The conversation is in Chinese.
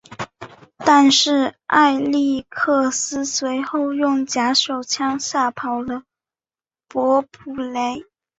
但是艾力克斯随后用假手枪吓跑了伯普雷。